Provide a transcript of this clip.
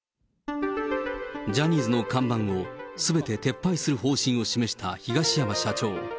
ジャニーズの看板をすべて撤廃する方針を示した東山社長。